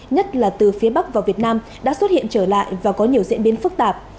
nhất là từ phía bắc vào việt nam đã xuất hiện trở lại và có nhiều diễn biến phức tạp